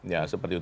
ya seperti itu